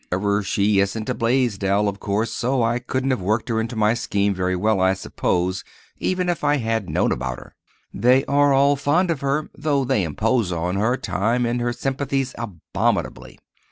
However, she isn't a Blaisdell, of course, so I couldn't have worked her into my scheme very well, I suppose, even if I had known about her. They are all fond of her—though they impose on her time and her sympathies abominably.